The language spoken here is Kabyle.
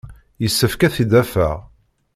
Yessefk ad t-id-afeɣ.